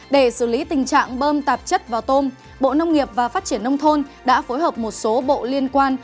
để xử lý tình trạng bơm tạp chất vào tôm bộ nông nghiệp và phát triển nông thôn đã phối hợp một số bộ liên quan